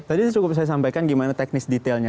tadi cukup saya sampaikan gimana teknis detailnya